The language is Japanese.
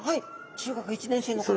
中学１年生の頃に。